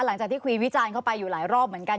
หลังจากที่คุยวิจารณ์เข้าไปอยู่หลายรอบเหมือนกัน